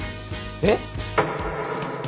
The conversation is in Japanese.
えっ！？